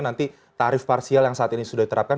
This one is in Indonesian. nanti tarif parsial yang saat ini sudah diterapkan